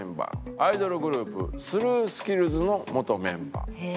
アイドルグループスルースキルズの元メンバー。